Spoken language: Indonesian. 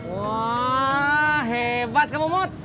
wah hebat kamu mut